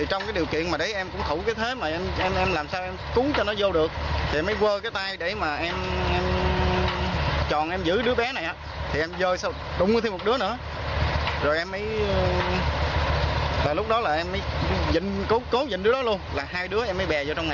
rồi em mới và lúc đó là em mới cố giữ đứa đó luôn là hai đứa em mới bè vô trong này